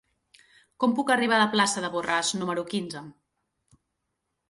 Com puc arribar a la plaça de Borràs número quinze?